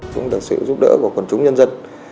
cũng được sự giúp đỡ của quần chúng nhân dân